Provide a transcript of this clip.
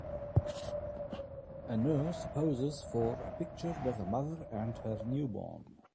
A nurse poses for a picture with a mother and her newborn.